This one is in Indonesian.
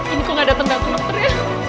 ini kok nggak datang dokter dokternya